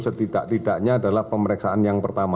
setidak tidaknya adalah pemeriksaan yang pertama